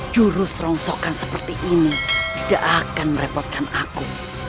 jurus rongsokan seperti ini tidak akan merepotkan aku